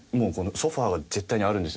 ソファは絶対にあるんですよ